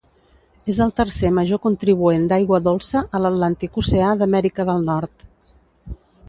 És el tercer major contribuent d'aigua dolça a l'Atlàntic Oceà d'Amèrica del Nord.